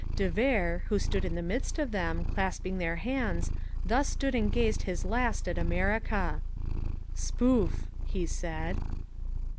De Vere, who stood in the midst of them, clasping their hands, thus stood and gazed his last at America. "Spoof!" he said.